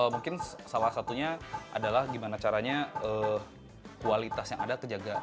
mungkin salah satunya adalah gimana caranya kualitas yang ada terjaga